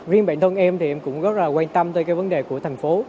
riêng bản thân em thì em cũng rất là quan tâm tới cái vấn đề của thành phố